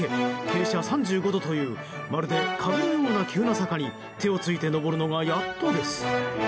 傾斜３５度というまるで壁のような急な坂に手をついて登るのがやっとです。